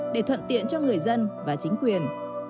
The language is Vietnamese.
để thuận tiện cho người dân và chính quyền